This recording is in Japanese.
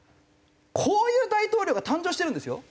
こういう大統領が誕生してるんですよ。